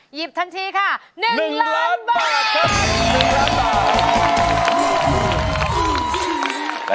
หยิบทันทีค่ะ๑ล้านบาท